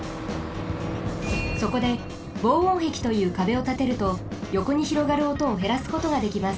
そこで防音壁というかべをたてるとよこにひろがるおとをへらすことができます。